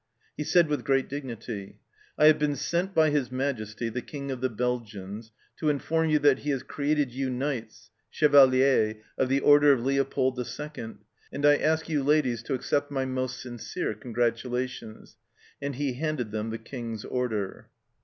He said with great dignity, " I have been sent by His Majesty the King of the Belgians to inform you that he has created you Knights (Chevaliers) of the Order of Leopold II., and I ask you, ladies, to accept my most sincere congratulations," and he handed them the King's Order.